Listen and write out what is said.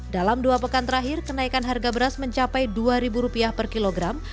dalam dua pekan terakhir kenaikan harga beras mencapai dua ribu rupiah per kilogram